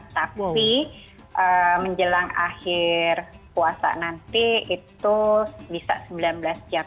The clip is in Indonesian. tapi menjelang akhir puasa nanti itu bisa sembilan belas jam